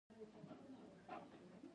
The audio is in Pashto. تراکتورونه په کرنه کې کارول کیږي.